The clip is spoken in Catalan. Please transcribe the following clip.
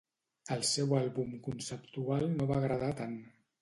El seu àlbum conceptual no va agradar tant.